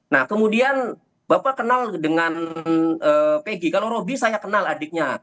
nah kemudian bapak kenal dengan peggy kalau roby saya kenal adiknya